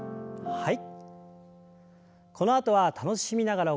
はい。